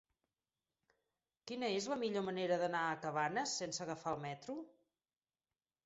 Quina és la millor manera d'anar a Cabanes sense agafar el metro?